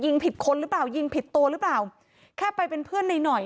ผิดคนหรือเปล่ายิงผิดตัวหรือเปล่าแค่ไปเป็นเพื่อนในหน่อย